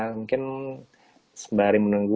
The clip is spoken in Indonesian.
mungkin sembari menunggu